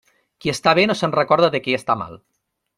Qui està bé no se'n recorda de qui està mal.